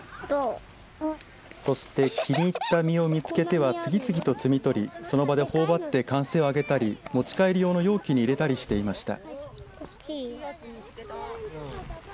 そして気に入った実を見つけては次々と摘み取りその場でほおばって歓声を上げたり持ち帰り用の容器に入れたりしていました。